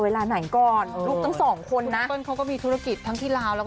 ลุคต้องเป็น๒คนน่ะ